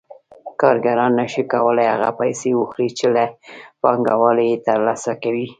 کارګران نشي کولای هغه پیسې وخوري چې له پانګوال یې ترلاسه کوي